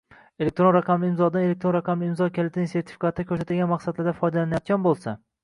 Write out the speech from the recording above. elektron raqamli imzodan elektron raqamli imzo kalitining sertifikatida ko‘rsatilgan maqsadlarda foydalanilayotgan bo‘lsa.